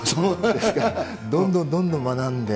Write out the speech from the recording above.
ですから、どんどんどんどん学んで。